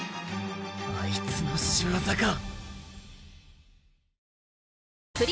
あいつの仕業か！